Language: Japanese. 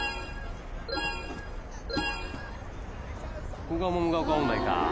「ここが桃ヶ丘音大か」